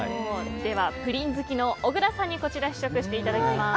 プリン好きの小倉さんに試食していただきます。